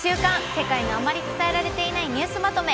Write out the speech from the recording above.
世界のあまり伝えられていないニュースまとめ」。